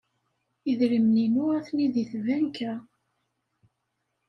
Idrimen-inu atni deg tbanka.